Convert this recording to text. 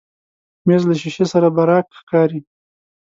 مېز له شیشې سره براق ښکاري.